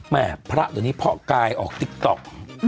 แม่พระตัวนี้เพาะกายออกติ๊กต๊อก